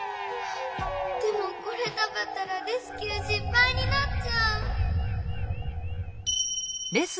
でもこれたべたらレスキューしっぱいになっちゃう！